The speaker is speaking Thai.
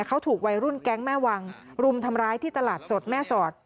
เขาถูกวัยรุ่นแก๊งแม่วังรุมทำร้ายที่ตลาดสดแม่สอด